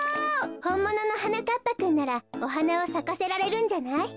ほんもののはなかっぱくんならおはなをさかせられるんじゃない？